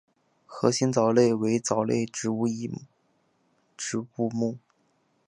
盒形藻目为藻类植物之一植物目。